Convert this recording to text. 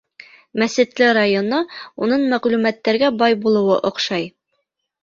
Мәсетле районы, Уның мәғлүмәттәргә бай булыуы оҡшай.